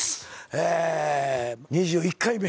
２１回目。